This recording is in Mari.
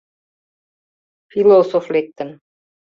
Философ лектын.